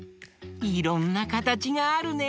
いろんなかたちがあるね！